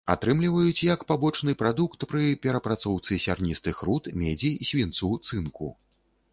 Атрымліваюць як пабочны прадукт пры перапрацоўцы сярністых руд медзі, свінцу, цынку.